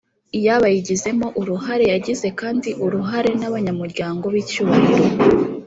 iy abayigizemo uruhare Yagize kandi uruharen abanyamuryango b icyubahiro